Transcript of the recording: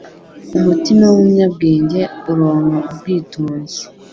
Umutima w’umunyabwenge uronka ubwitonzi